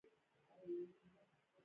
دا ټولې پوښتنې يو.